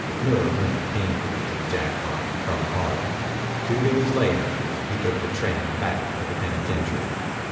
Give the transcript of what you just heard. Miller limped painfully to the Jackpot in front of Hart. Two days later he took the train back to the penitentiary.